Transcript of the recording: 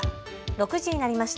６時になりました。